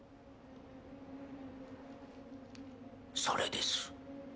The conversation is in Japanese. それです